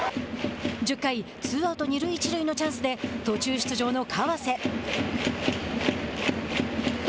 １０回ツーアウト二塁一塁のチャンスで途中出場の川瀬。